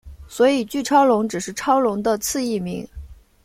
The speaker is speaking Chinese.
所以巨超龙只是超龙的次异名。